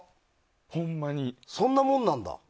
そんなもんなんだ。